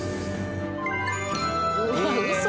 うわっウソ！